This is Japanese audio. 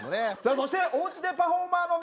そしておうちでパフォーマーの皆さん